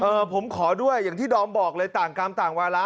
ผมขอด้วยอย่างที่ดอมบอกเลยต่างกรรมต่างวาระ